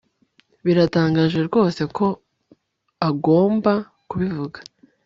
Biratangaje rwose ko agomba kubivuga